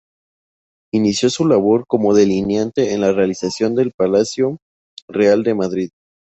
Inició su labor como delineante en la realización del Palacio Real de Madrid.